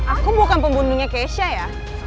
aku bukan pembunuhnya keisha ya